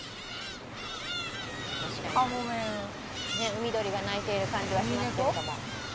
海鳥が鳴いている感じはしますけれども。